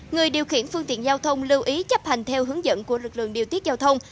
người điều khiển phương tiện giao thông lưu ý chấp hành theo hướng dẫn của lực lượng điều tiết giao thông